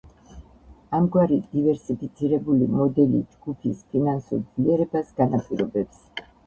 ამგვარი დივერსიფიცირებული მოდელი ჯგუფის ფინანსურ ძლიერებას განაპირობებს.